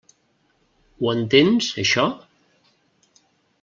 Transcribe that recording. Ho entens, això?